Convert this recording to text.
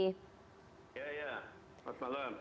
ya ya selamat malam